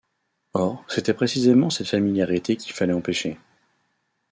Or, c’était précisément cette familiarité qu’il fallait empêcher.